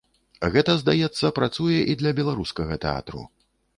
Гэта, здаецца, працуе і для беларускага тэатру.